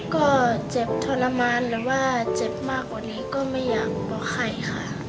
ก็เจ็บทรมานหรือว่าเจ็บมากกว่านี้ก็ไม่อยากบอกให้ค่ะ